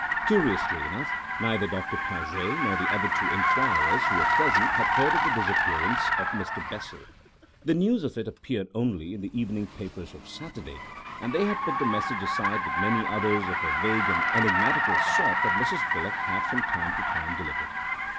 Curiously enough, neither Doctor Paget nor the two other inquirers who were present had heard of the disappearance of Mr. Bessel—the news of it appeared only in the evening papers of Saturday—and they had put the message aside with many others of a vague and enigmatical sort that Mrs. Bullock has from time to time delivered.